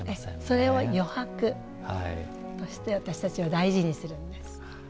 それを余白として私たちは大事にしてるんです。